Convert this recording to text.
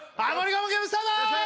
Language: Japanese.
我慢ゲームスタート